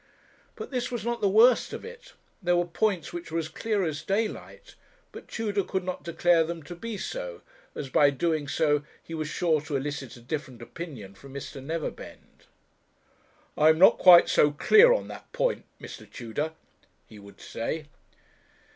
But this was not the worst of it. There were points which were as clear as daylight; but Tudor could not declare them to be so, as by doing so he was sure to elicit a different opinion from Mr. Neverbend. 'I am not quite so clear on that point, Mr. Tudor,' he would say.